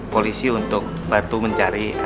polisi untuk bantu mencari